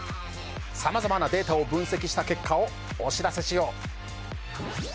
さまざまなデータを分析した結果をお知らせしよう。